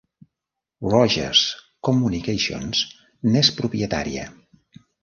Rogers Communications n'és propietària.